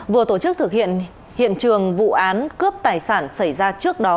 vừa tổ chức thực hiện hiện trường vụ án cướp tài sản xảy ra trước đó